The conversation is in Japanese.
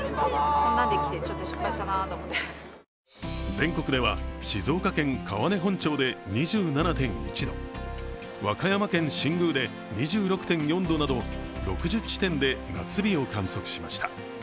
全国では静岡県川根本町で２７．１度、和歌山県新宮で２６．４度など６０地点で夏日を観測しました。